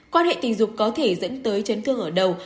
quan hệ tình dục có thể dẫn tới chấn thương ở đầu